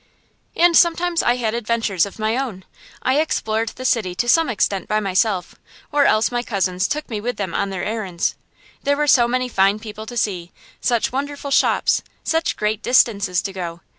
And sometimes I had adventures of my own. I explored the city to some extent by myself, or else my cousins took me with them on their errands. There were so many fine people to see, such wonderful shops, such great distances to go.